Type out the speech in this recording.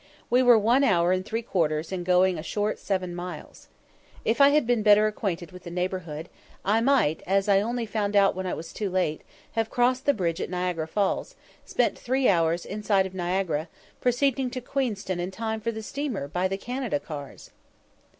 We were one hour and three quarters in going a short seven miles. If I had been better acquainted with the neighbourhood, I might, as I only found out when it was too late, have crossed the bridge at Niagara Falls, spent three hours in sight of Niagara, proceeding to Queenston in time for the steamer by the Canada cars!